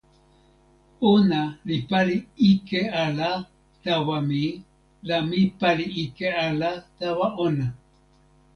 ona li pali ike ala tawa mi la mi pali ike ala tawa ona.